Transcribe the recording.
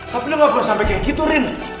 tapi lo gak perlu sampe kayak gitu rim